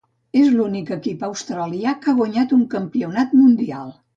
És l'únic equip australià que ha guanyat un campionat mundial.